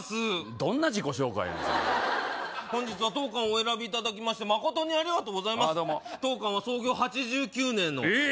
どんな自己紹介やねんそれ本日は当館をお選びいただき誠にありがとうございますああどうも当館は創業８９年のえっ！？